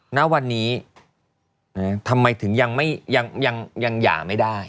ณวันนี้ทำไมถึงยังหย่าไม่ได้